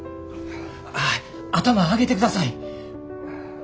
頭上げてください。